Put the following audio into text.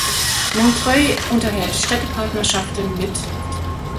Montreuil unterhält Städtepartnerschaften mit